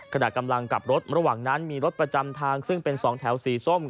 ขณะกำลังกลับรถระหว่างนั้นมีรถประจำทางซึ่งเป็นสองแถวสีส้ม